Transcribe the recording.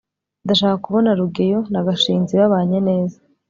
ndashaka kubona rugeyo na gashinzi babanye neza